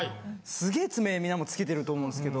すげえ爪みんなもつけてると思うんですけど。